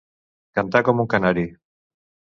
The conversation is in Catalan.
Cantar com un canari.